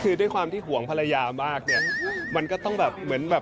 คือความที่หวงภรรยามากมันก็ต้องแบบเหมือน